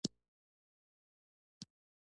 پیلوټ د آسمان د ښکلا خوند اخلي.